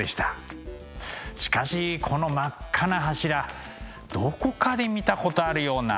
しかしこの真っ赤な柱どこかで見たことあるような。